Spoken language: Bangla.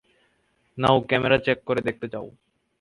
নাও, ক্যামেরা চেক করে দেখতে চাও?